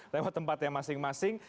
lewat tempatnya masing masing